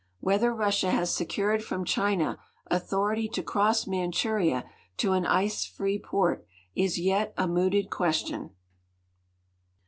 Whether Russia has secured from China authority to cross iManchuria to an ice free port is yet a mooted question.